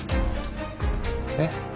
えっ？